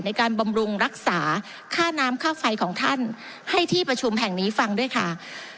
บำรุงรักษาค่าน้ำค่าไฟของท่านให้ที่ประชุมแห่งนี้ฟังด้วยค่ะ